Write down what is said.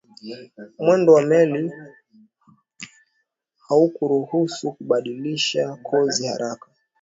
mwendo wa meli haukuruhusu kubadilisha kozi haraka